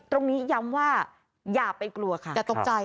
ตรงนี้ย้ำว่าอย่าไปกลัวค่ะ